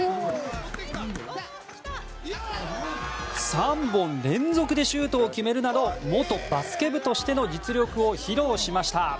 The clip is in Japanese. ３本連続でシュートを決めるなど元バスケ部としての実力を披露しました。